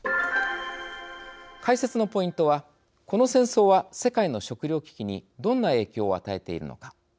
解説のポイントはこの戦争は世界の食料危機にどんな影響を与えているのか。